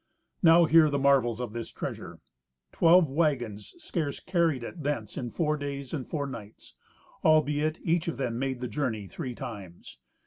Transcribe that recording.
Now hear the marvels of this treasure. Twelve wagons scarce carried it thence in four days and four nights, albeit each of them made the journey three times.